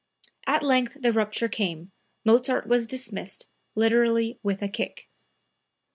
At length the rupture came; Mozart was dismissed literally with a kick.)